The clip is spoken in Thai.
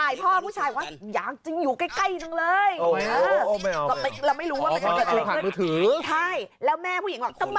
อยู่อย่างนี้จบแล้ว